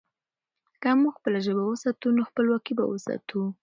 که موږ خپله ژبه وساتو، نو خپلواکي به وساتو.